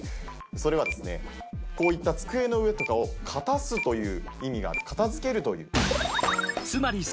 それはですねこういった机の上とかをかたすという意味がある片付ける。